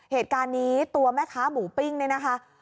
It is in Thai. เหตุการณ์นี้ตัวแม่ค้าหมูปิ้งเนี่ยนะคะ